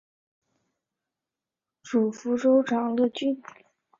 属福州长乐郡。